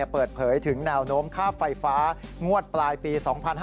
เปิดเผยถึงแนวโน้มค่าไฟฟ้างวดปลายปี๒๕๕๙